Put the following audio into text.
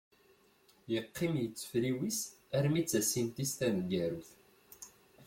Yeqqim yettefriwis armi d tasint-is taneggarut.